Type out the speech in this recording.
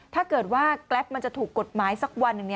ถ้าเกิดว่าแกรปมันจะถูกกฎหมายสักวันหนึ่ง